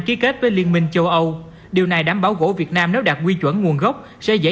ký kết với liên minh châu âu điều này đảm bảo gỗ việt nam nếu đạt quy chuẩn nguồn gốc sẽ dễ